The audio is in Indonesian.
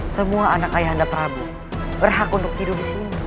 semua anak ayah anda prabu berhak untuk tidur di sini